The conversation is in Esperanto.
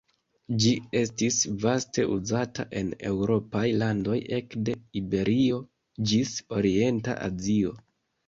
Ĝi estis vaste uzata en eŭropaj landoj ekde Iberio ĝis orienta Azio.